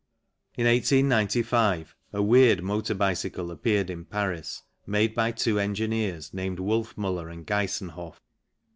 In 1895 a weird motor bicycle appeared in Paris, made by two engineers named Wolfmuller and Geisenhof.